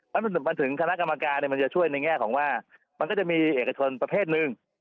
มันมาถึงคณะกรรมการมันจะช่วยในแง่ของว่ามันก็จะมีเอกชนประเภทหนึ่ง